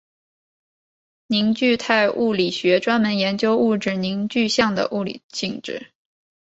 凝聚态物理学专门研究物质凝聚相的物理性质。